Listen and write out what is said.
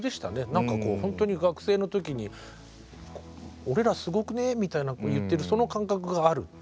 何かこうほんとに学生の時に「俺らすごくね？」みたいな言ってるその感覚があるって。